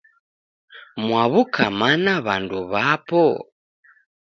Mwaw'uka mana w'andu w'apo?